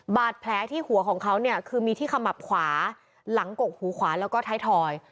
บาดแผลที่หัวของเขาเนี่ยคือมีที่ขมับขวาหลังกกหูขวาแล้วก็ท้ายถอย